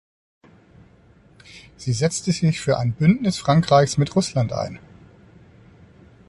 Sie setzte sich für ein Bündnis Frankreichs mit Russland ein.